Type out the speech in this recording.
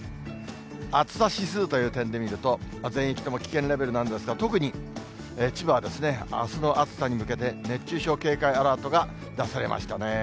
暑さ指数という点で見ると、全域とも危険レベルなんですが、特に千葉はですね、あすの暑さに向けて、熱中症警戒アラートが出されましたね。